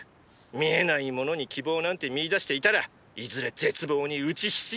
見えないものに希望なんて見いだしていたらいずれ絶望に打ちひしがれる！